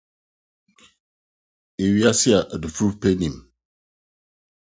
Wiase a Adifudepɛ Nnim